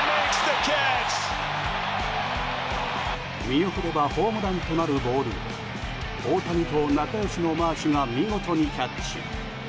見送ればホームランとなるボールを大谷と仲良しのマーシュが見事にキャッチ。